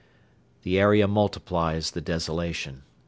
The area multiplies the desolation.